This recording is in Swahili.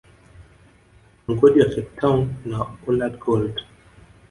Mgodi wa Cape town na Orland Gold